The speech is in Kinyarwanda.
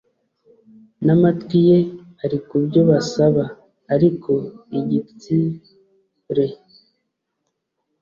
N amatwi ye ari ku byo basaba Ariko igits re